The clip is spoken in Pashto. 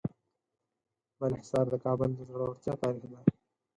بالاحصار د کابل د زړورتیا تاریخ ده.